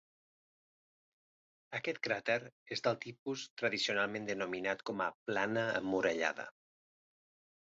Aquest cràter és del tipus tradicionalment denominat com a plana emmurallada.